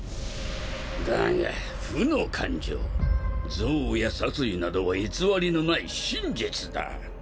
だが負の感情憎悪や殺意などは偽りのない真実だ。